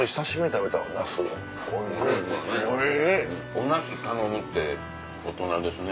おナス頼むって大人ですね。